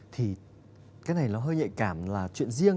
thì cái này nó hơi nhạy cảm là chuyện riêng